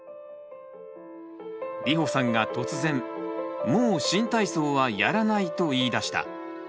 りほさんが突然「もう新体操はやらない」と言いだした。